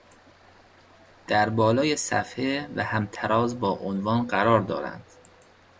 در بالای صفحه و همتراز با عنوان قرار دارند